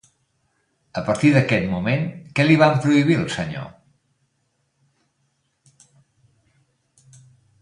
A partir d'aquest moment, què li van prohibir al senyor?